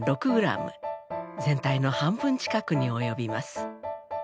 全体の半分近くに及びます。